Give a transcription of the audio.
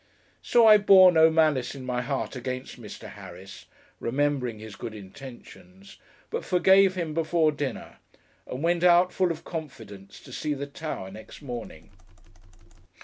So, I bore no malice in my heart against Mr. Harris (remembering his good intentions), but forgave him before dinner, and went out, full of confidence, to see the Tower next morning.